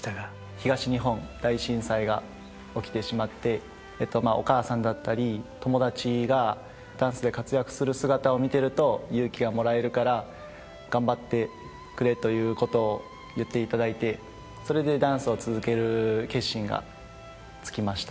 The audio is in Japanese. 東日本大震災が起きてしまってお母さんだったり友達がダンスで活躍する姿を見てると勇気がもらえるから頑張ってくれということを言っていただいてそれでダンスを続ける決心がつきました。